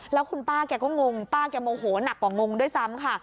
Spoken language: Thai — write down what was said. แล้วคุณป้าแกก็งงป้าแกโมโหนักกว่างงด้วยซ้ำค่ะ